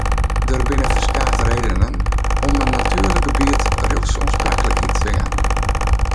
Der binne ferskate redenen om in natuerlik gebiet rjochtspersoanlikheid te jaan.